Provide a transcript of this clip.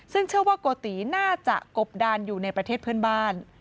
ซึ่งเชื่อว่าโกติน่าจะกบดานอยู่ในประเทศเพื่อนบ้าน